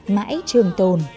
mãi trường tồn